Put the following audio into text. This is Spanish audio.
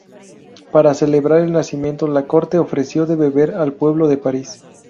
Para celebrar el nacimiento, la corte ofreció de beber al pueblo de París.